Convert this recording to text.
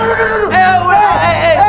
aduh aduh aduh